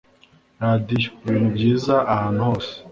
radiyo. ibintu byiza ahantu hose